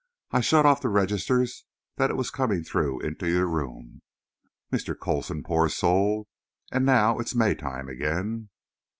I shut off the registers that it was coming through into your room, Mr. Coulson, poor soul! And now it's Maytime again."